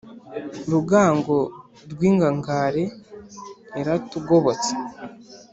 Rugango rw'ingangare waratugobotse